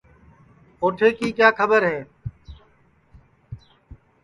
اوٹھے کی کیا کھٻر ہے